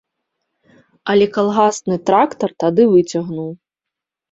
Але калгасны трактар тады выцягнуў.